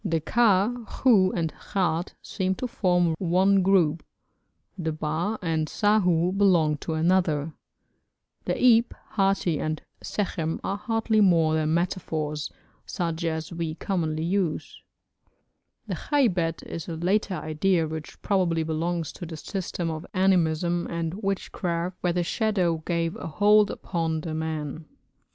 The ka, khu, and khat seem to form one group; the ba and sahu belong to another; the ab, hati, and sekhem are hardly more than metaphors, such as we commonly use; the khaybet is a later idea which probably belongs to the system of animism and witchcraft, where the shadow gave a hold upon the man.